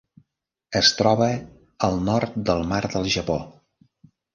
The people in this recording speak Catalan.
Es troba al nord del Mar del Japó.